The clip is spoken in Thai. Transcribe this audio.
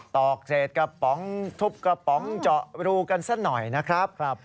ตอกเศษกระป๋องทุบกระป๋องเจาะรูกันซะหน่อยนะครับ